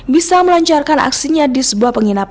bisa melancarkan aksinya di dalam kamar hotel